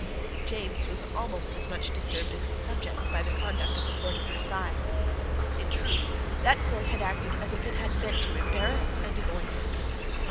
James was almost as much disturbed as his subjects by the conduct of the court of Versailles. In truth, that court had acted as if it had meant to embarrass and annoy him.